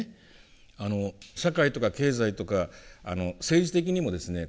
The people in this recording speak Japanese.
あの社会とか経済とか政治的にもですね